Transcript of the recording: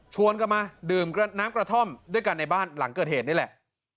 กลับมาดื่มน้ำกระท่อมด้วยกันในบ้านหลังเกิดเหตุนี่แหละ